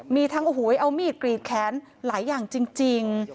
มีทั้งโอ้โหเอามีดกรีดแขนหลายอย่างจริง